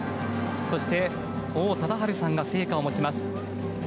そして、王貞治さんが聖火を持ちます。